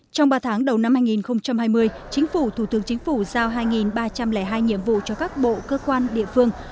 trong ba tháng đầu năm hai nghìn hai mươi chính phủ thủ tướng chính phủ giao hai ba trăm linh hai nhiệm vụ cho các bộ cơ quan địa phương